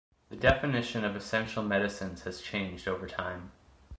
The definition of essential medicines has changed over time.